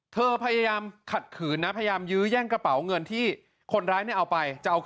เธอพยายามขาดขืนนะพยายามยื้อย่างกระเป๋าเงินที่คนร้ายเอาไป